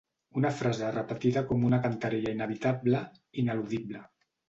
Una frase repetida com una cantarella inevitable, ineludible.